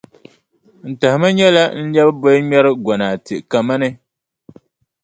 N tahima nyɛla n lɛbi bolŋmɛrʼ gonaate kamani.